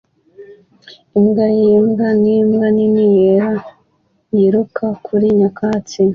Imbwa yimbwa nimbwa nini yera yiruka kuri nyakatsi